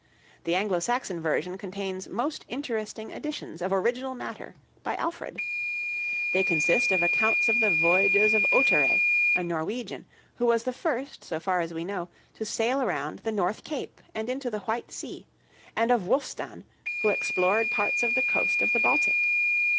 The Anglo Saxon version contains most interesting additions of original matter by Alfred. They consist of accounts of the voyages of Ohtere, a Norwegian, who was the first, so far as we know, to sail around the North Cape and into the White Sea, and of Wulfstan, who explored parts of the coast of the Baltic.